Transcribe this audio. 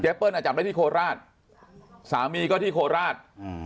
เปิ้ลอ่ะจับได้ที่โคราชสามีก็ที่โคราช